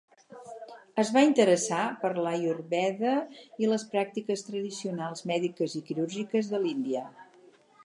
Es va interessar per l'aiurveda i les pràctiques tradicionals mèdiques i quirúrgiques de l'Índia.